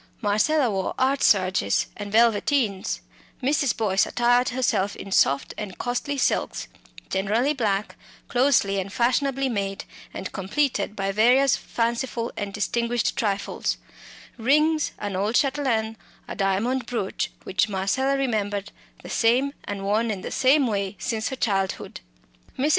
Marcella wore "art serges" and velveteens; Mrs. Boyce attired herself in soft and costly silks, generally black, closely and fashionably made, and completed by various fanciful and distinguished trifles rings, an old chatelaine, a diamond brooch which Marcella remembered, the same, and worn in the same way, since her childhood. Mrs.